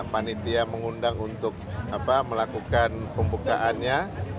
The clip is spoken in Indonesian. panitia mengundang untuk melakukan pembukaannya